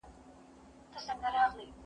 هغه څوک چي واښه راوړي منظم وي!!